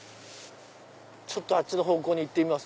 ちょっとあっちに行ってみます。